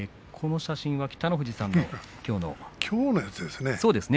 写真は北の富士さんのきょうの様子ですね。